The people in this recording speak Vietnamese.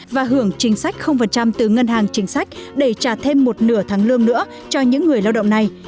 và hưởng chính sách từ ngân hàng chính sách để trả thêm một nửa tháng lương nữa cho những người lao động này